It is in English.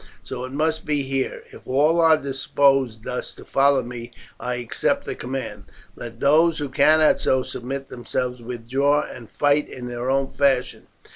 So it must be here. If all are disposed thus to follow me I accept the command. Let those who cannot so submit themselves withdraw and fight in their own fashion.